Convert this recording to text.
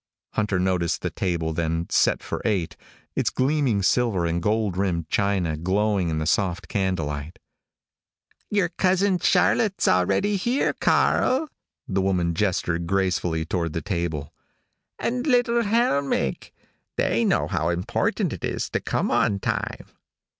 Hunter noticed the table, then, set for eight, its gleaming silver and gold rimmed china glowing in the soft candle light. "Your Cousin Charlotte's already here, Karl." The woman gestured gracefully toward the table. "And little Helmig. They know how important it is to come on time."